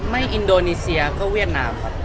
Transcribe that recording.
ไม่อินโดนีเซียไม่ก็เวียดนาม